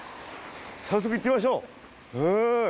早速行ってみましょう。